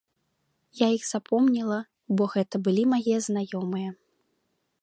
Я іх запомніла, бо гэта былі мае знаёмыя.